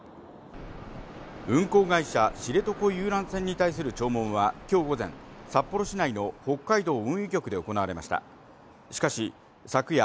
運航会社、知床遊覧船に対する聴聞はきょう午前、札幌市内の北海道運輸局で行われました。